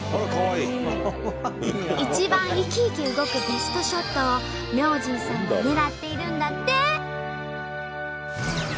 一番生き生き動くベストショットを明神さんは狙っているんだって。